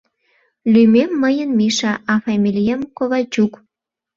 Лӱмем мыйын Миша, а фамилием — Ковальчук.